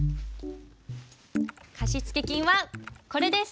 貸付金はこれです。